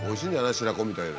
白子みたいで。